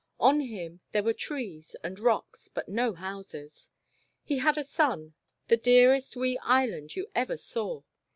On him there were trees and rocks, but no houses. He had a son — the dearest wee Island you ever saw.